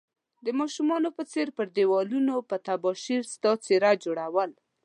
د ماشومانو په څير پر ديوالونو په تباشير ستا څيره جوړول